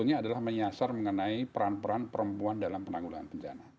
dan juga adalah menyasar mengenai peran peran perempuan dalam penanggulan bencana